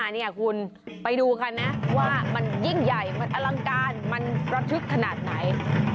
นี่คุณไปดูกันนะว่ามันยิ่งใหญ่มันอลังการมันระทึกขนาดไหน